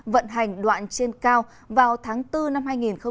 vận hành đoạn trên cao vào tháng bốn năm hai nghìn hai mươi